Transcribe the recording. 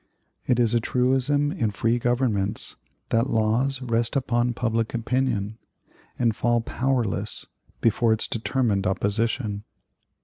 It is a truism in free governments that laws rest upon public opinion, and fall powerless before its determined opposition.